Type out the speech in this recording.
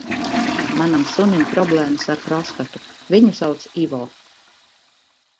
Manam sunim problēmas ar prostatu, viņu sauc Ivo.